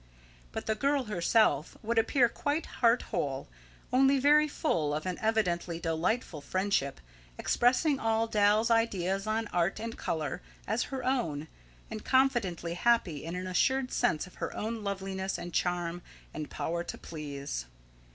But the girl herself would appear quite heart whole, only very full of an evidently delightful friendship, expressing all Dal's ideas on art and colour, as her own, and confidently happy in an assured sense of her own loveliness and charm and power to please.